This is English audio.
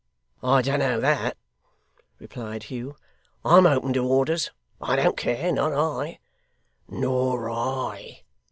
'I don't know that,' replied Hugh. 'I'm open to orders. I don't care; not I.' 'Nor I!